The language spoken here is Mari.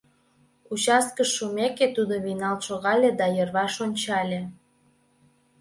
Участкыш шумеке, тудо вийналт шогале да йырваш ончале.